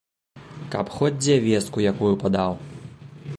Каб хоць дзе вестку якую падаў!